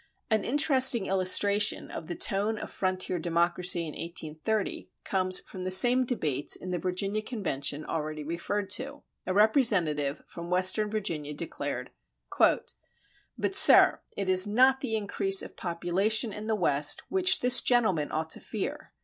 [31:1] An interesting illustration of the tone of frontier democracy in 1830 comes from the same debates in the Virginia convention already referred to. A representative from western Virginia declared: But, sir, it is not the increase of population in the West which this gentleman ought to fear.